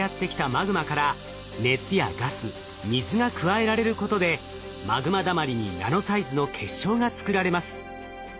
マグマから熱やガス水が加えられることでマグマだまりにナノサイズの結晶が作られます。